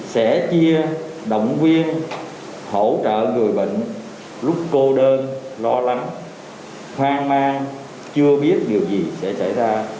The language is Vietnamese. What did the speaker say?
sẽ chia động viên hỗ trợ người bệnh lúc cô đơn lo lắng hoang mang chưa biết điều gì sẽ xảy ra